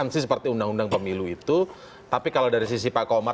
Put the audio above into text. terima kasih pak komar